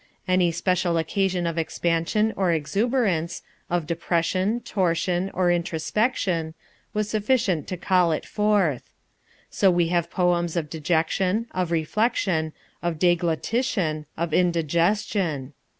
Any special occasion of expansion or exuberance, of depression, torsion, or introspection, was sufficient to call it forth. So we have poems of dejection, of reflection, of deglutition, of indigestion.